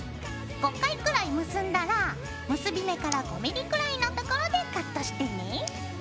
５回くらい結んだら結び目から５ｍｍくらいのところでカットしてね。